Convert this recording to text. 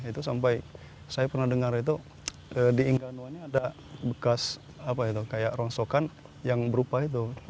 itu sampai saya pernah dengar itu di ingganua ini ada bekas apa itu kayak rongsokan yang berupa itu